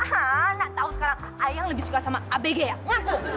hah nak tau sekarang ayang lebih suka sama abg ya ngaku